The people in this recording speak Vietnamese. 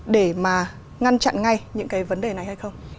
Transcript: để mà ngăn chặn ngay những cái vấn đề này hay không